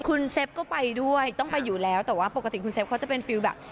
คุณเซฟก็ไปด้วยต้องไปอยู่แล้วแต่ว่าปกติคุณเฟฟเขาจะเป็นฟิลแบบ